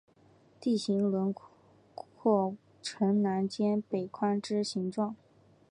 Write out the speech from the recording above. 地形轮廓呈南尖北宽之形状。